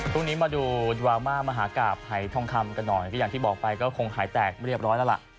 ตรงนี้มาดูดราม่ามหากราบหายทองคำกันหน่อยก็อย่างที่บอกไปก็คงหายแตกเรียบร้อยแล้วล่ะ